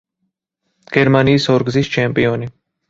გერმანიის ორგზის ჩემპიონი.